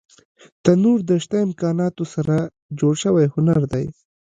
تنور د شته امکاناتو سره جوړ شوی هنر دی